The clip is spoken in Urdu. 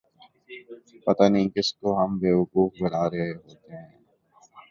پتہ نہیں کس کو ہم بے وقوف بنا رہے ہوتے ہیں۔